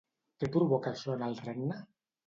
Què provoca això en el regne?